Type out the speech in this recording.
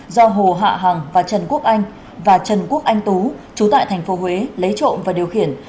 do hồ hạ hằng và trần quốc anh và trần quốc anh tú chú tại thành phố huế lấy trộm và điều khiển